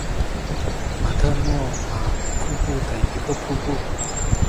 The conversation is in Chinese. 马特诺玛瀑布的一个瀑布。